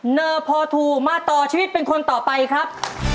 เนอโพทูมาต่อชีวิตเป็นคนต่อไปครับ